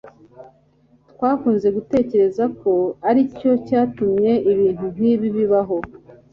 twakunze gutekereza ko aricyo cyatumye ibintu nkibi bibaho